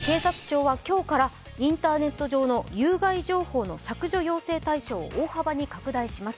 警察庁は今日からインターネット上の有害情報の削除要請対象を大幅に拡大します。